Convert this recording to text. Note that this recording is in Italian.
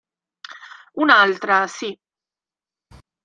Un'altra, sì.